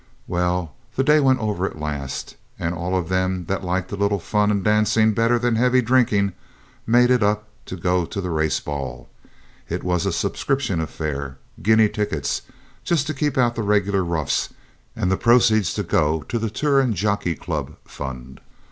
Well, the day went over at last, and all of them that liked a little fun and dancing better than heavy drinking made it up to go to the race ball. It was a subscription affair guinea tickets, just to keep out the regular roughs, and the proceeds to go to the Turon Jockey Club Fund.